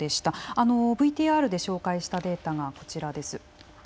ＶＴＲで紹介したデータがこちらです。